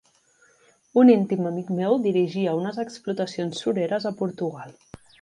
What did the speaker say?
Un íntim amic meu dirigia unes explotacions sureres a Portugal.